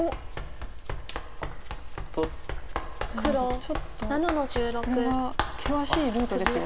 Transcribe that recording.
ちょっとこれは険しいルートですよ。